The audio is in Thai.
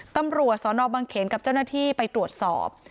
ตำรวจสนบังเขนกับเจ้าหน้าที่ไปตรวจสอบ